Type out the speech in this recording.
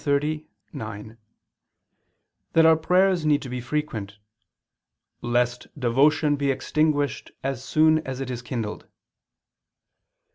cxxx, 9) that our prayers need to be frequent, "lest devotion be extinguished as soon as it is kindled."